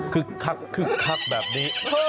คึกคักแบบนี้